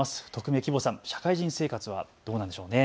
匿名希望さん、社会人生活はどうなんでしょうね。